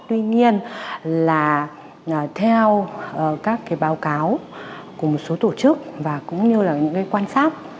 tuy nhiên là theo các báo cáo của một số tổ chức và cũng như là những cái quan sát